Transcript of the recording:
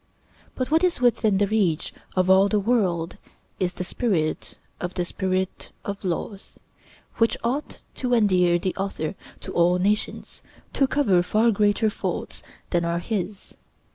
But what is within the reach of all the world is the spirit of the 'Spirit of Laws,' which ought to endear the author to all nations, to cover far greater faults than are his.